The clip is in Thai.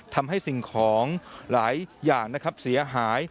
ทำให้สิ่งของหลายอย่างนะครับเสียหาย